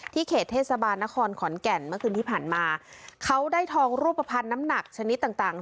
เขตเทศบาลนครขอนแก่นเมื่อคืนที่ผ่านมาเขาได้ทองรูปภัณฑ์น้ำหนักชนิดต่างต่าง